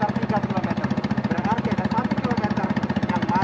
berarti ada satu km yang masih berpotensi terendam banjir